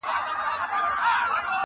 تا به ویل زما د خالپوڅو او بابا کلی دی -